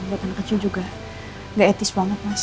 buat anak kecil juga nggak etis banget mas